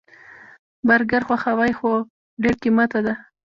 برګر خوښوئ؟ هو، خو ډیر قیمته ده